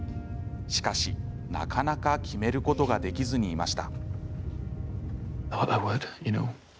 しかし、なかなか決めることができずにいました。